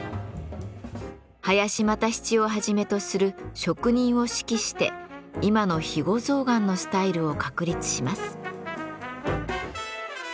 林又七をはじめとする職人を指揮して今の肥後象がんのスタイルを確立します。